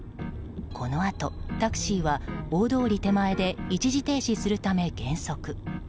このあとタクシーは大通り手前で一時停止するため減速。